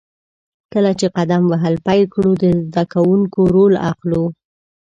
کله چې قدم وهل پیل کړو، د زده کوونکي رول اخلو.